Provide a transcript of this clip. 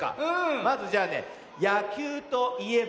まずじゃあねやきゅうといえば？